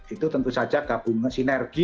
itu tentu saja gabungan sinergi